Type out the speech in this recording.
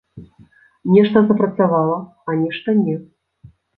Нешта запрацавала, а нешта не.